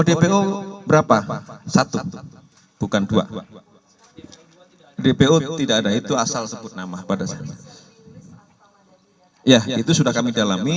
dpo berapa satu bukan dua dpo tidak ada itu asal sebut nama pada siapa ya itu sudah kami dalami